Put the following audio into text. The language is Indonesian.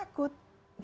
mereka juga tidak tahu